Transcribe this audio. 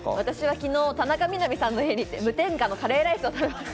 昨日、田中みな実さんの家に行って、無添加のカレーライスを食べました。